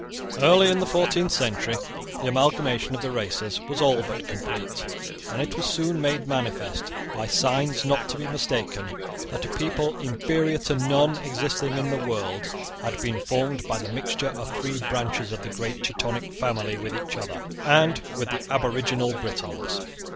Early in the fourteenth century the amalgamation of the races was all but complete; and it was soon made manifest, by signs not to be mistaken, that a people inferior to none existing in the world had been formed by the mixture of three branches of the great Teutonic family with each other, and with the aboriginal Britons.